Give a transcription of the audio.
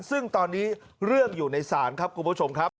ซึ่งตอนนี้เรื่องอยู่ในศาลครับคุณผู้ชมครับ